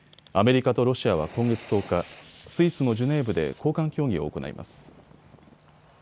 アメリカとロシアは今月１０日、スイスのジュネーブで高官協議を行います。